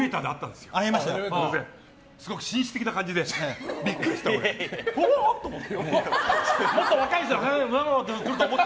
すごく紳士的な感じでビックリした。